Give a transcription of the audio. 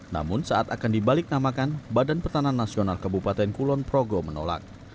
namun saat akan dibalik namakan badan petanan nasional kabupaten kulon progo menolak